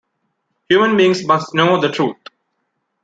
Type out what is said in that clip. Human beings must know the "Truth".